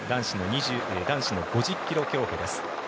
男子の５０ｋｍ競歩です。